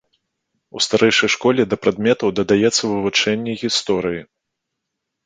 У старэйшай школе да прадметаў дадаецца вывучэнне гісторыі.